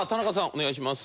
お願いします。